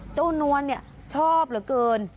เจ้านวนเนี่ยชอบเหลือเกิน